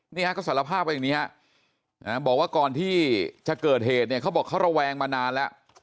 นี่ฮะก็สารภาพว่าอย่างนี้ฮะบอกว่าก่อนที่จะเกิดเหตุเนี่ยเขาบอกเขาระแวงมานานแล้ว